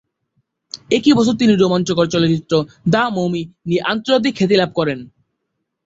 একই বছর তিনি রোমাঞ্চকর চলচ্চিত্র "দ্য মমি" দিয়ে আন্তর্জাতিক খ্যাতি লাভ করেন।